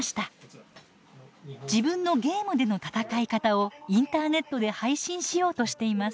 自分のゲームでの戦い方をインターネットで配信しようとしています。